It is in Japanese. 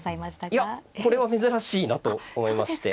いやこれは珍しいなと思いまして。